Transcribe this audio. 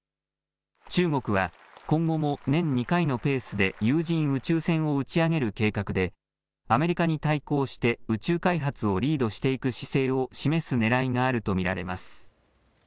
中国は今後も年２回のペースで有人宇宙船を打ち上げる計画でアメリカに対抗して宇宙開発をリードしていく姿勢を示すねらいがあると見られます。